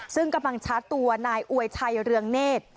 ซึ่งกำลังชาร์จตัวนายอวยชัยเรืองเนธ